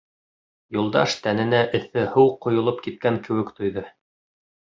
Юлдаш тәненә эҫе һыу ҡойолоп киткән кеүек тойҙо.